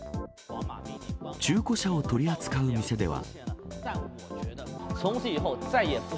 中古車を取り扱う店では。